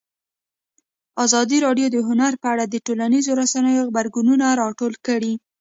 ازادي راډیو د هنر په اړه د ټولنیزو رسنیو غبرګونونه راټول کړي.